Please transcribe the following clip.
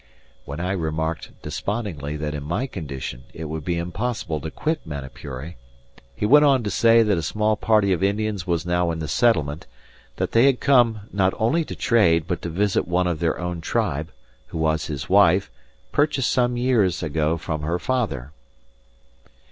When I remarked despondingly that in my condition it would be impossible to quit Manapuri, he went on to say that a small party of Indians was now in the settlement; that they had come, not only to trade, but to visit one of their own tribe, who was his wife, purchased some years ago from her father.